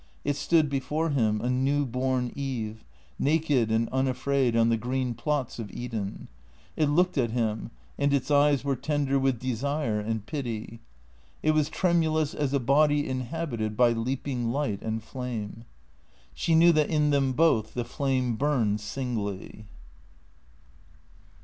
It stood before him, a new born Eve, naked and unafraid on the green plots of Eden. It looked at him, and its eyes were tender with desire and pity. It was tremulous as a body inhabited by leap ing light and flame. She knew that in them both the tlame burned singly.